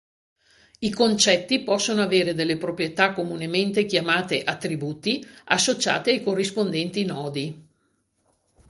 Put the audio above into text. I concetti possono avere delle "proprietà" comunemente chiamate "attributi" associate ai corrispondenti nodi.